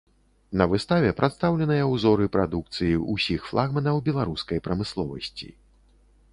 На выставе прадстаўленыя ўзоры прадукцыі ўсіх флагманаў беларускай прамысловасці.